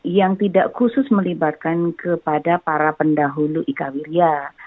yang tidak khusus melibatkan kepada para pendahulu ika wiria